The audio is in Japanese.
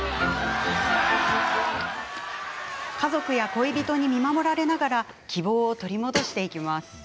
家族や恋人に見守られながら希望を取り戻していきます。